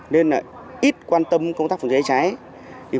nên ít quan tâm công tác phòng cháy cháy